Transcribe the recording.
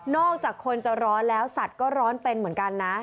อกจากคนจะร้อนแล้วสัตว์ก็ร้อนเป็นเหมือนกันนะ